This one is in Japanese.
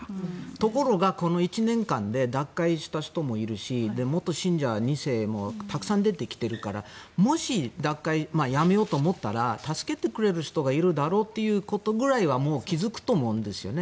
ところが、この１年間で脱会した人もいるし元信者２世もたくさん出てきているからもし脱会、やめようと思ったら助けてくれる人がいるだろうということは気づくと思うんですね。